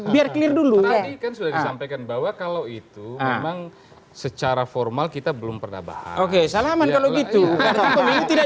biar clear dulu ya kalau itu secara formal kita belum pernah bahas oke salam kalau gitu tidak